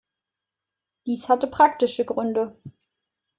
Dies hatte praktische Gründe.